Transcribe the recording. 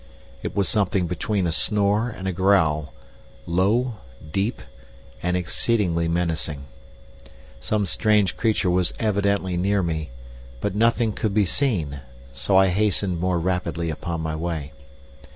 It was something between a snore and a growl, low, deep, and exceedingly menacing. Some strange creature was evidently near me, but nothing could be seen, so I hastened more rapidly upon my way.